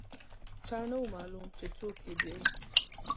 چا نه و معلوم چې څوک یې بیايي.